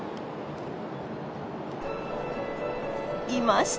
いました！